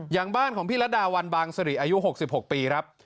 อย่างบ้านของพี่ระดาวันบางสรีอายุ๖๖ปีครับ